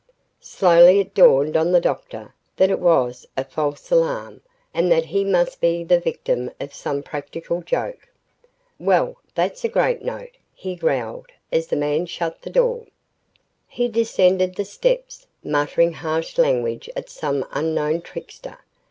Slowly it dawned on the doctor that it was a false alarm and that he must be the victim of some practical joke. "Well, that's a great note," he growled, as the man shut the door. He descended the steps, muttering harsh language at some unknown trickster.